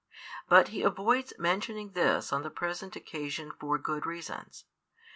But He avoids mentioning this on the present occasion for good reasons.